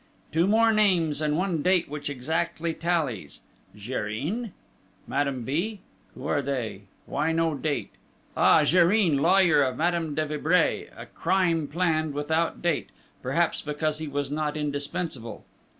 Two more names, and one date which exactly tallies. Gérin?... Madame B....? Who are they? Why no date? Ah, Gérin, lawyer of Madame de Vibray, a crime planned, without date, perhaps because he was not indispensable